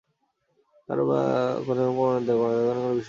কারও যেন কোনো প্রমাণের দরকার নেই, দরকার নেই কোনো বিশ্বাসযোগ্য তথ্যেরও।